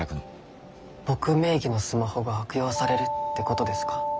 僕名義のスマホが悪用されるってことですか？